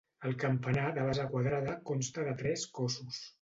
El campanar, de base quadrada, consta de tres cossos.